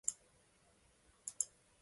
瓦礫の下へと、雪が溶けるような速度で動いていた